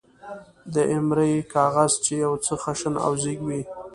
د ایمرۍ کاغذ، چې یو څه خشن او زېږ وي.